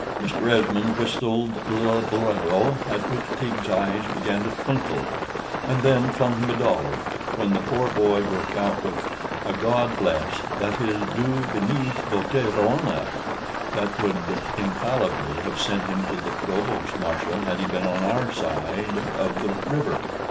Mr. Esmond whistled Lillibullero, at which Teague's eyes began to twinkle, and then flung him a dollar, when the poor boy broke out with a "God bless that is, Dieu benisse votre honor," that would infallibly have sent him to the provost marshal had he been on our side of the river.